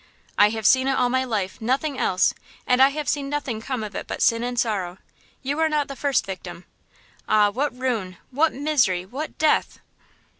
"I have seen it all my life, nothing else, and I have seen nothing come of it but sin and sorrow; you are not the first victim. Ah, what ruin, what misery, what death!"